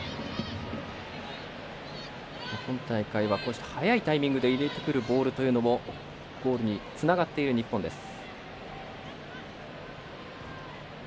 今大会は、早いタイミングで入れてくるボールというのもゴールにつながってる日本です。